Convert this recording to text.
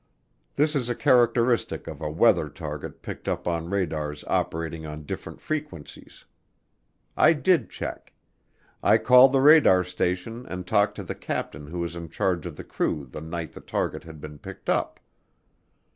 This is a characteristic of a weather target picked up on radars operating on different frequencies. I did check. I called the radar station and talked to the captain who was in charge of the crew the night the target had been picked up.